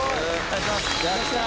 お願いします。